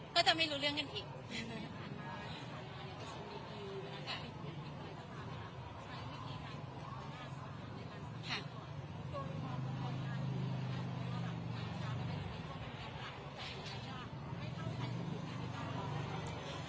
ก็จะไม่รู้เรื่องกันอีก